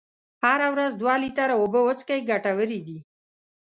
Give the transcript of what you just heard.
هره ورځ دوه لیتره اوبه وڅښئ ګټورې دي.